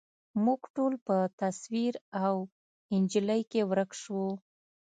موږ ټول په تصویر او انجلۍ کي ورک شوو